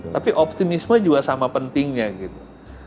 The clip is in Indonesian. tapi optimisme juga sama pentingnya gitu